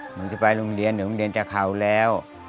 หนูจะไปโรงเรียนเดี๋ยวโรงเรียนจะเขาแล้ว